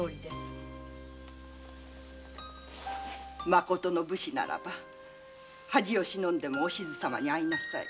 まことの武士ならば恥を忍んでもお静様に会いなさい。